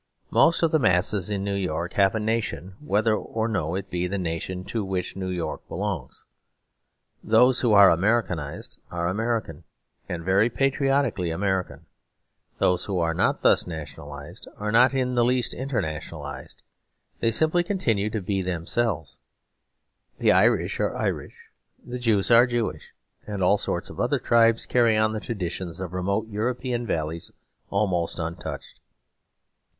Most of the masses in New York have a nation, whether or no it be the nation to which New York belongs. Those who are Americanised are American, and very patriotically American. Those who are not thus nationalised are not in the least internationalised. They simply continue to be themselves; the Irish are Irish; the Jews are Jewish; and all sorts of other tribes carry on the traditions of remote European valleys almost untouched.